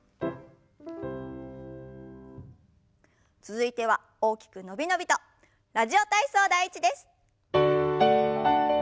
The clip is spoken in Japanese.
続いては大きく伸び伸びと「ラジオ体操第１」です。